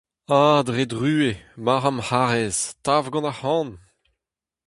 A, dre druez, mar am c'harez, tav gant ar c'han !